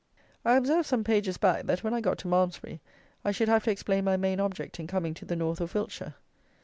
I observed some pages back that when I got to Malmsbury I should have to explain my main object in coming to the North of Wiltshire.